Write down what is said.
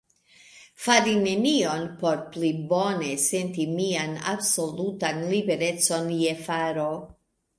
Fari nenion, por pli bone senti mian absolutan liberecon je faro.